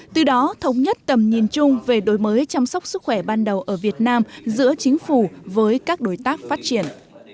từ đó thống nhất tầm nhìn chung về đổi mới chăm sóc sức khỏe ban đầu ở việt nam giữa chính phủ với các đối tác phát triển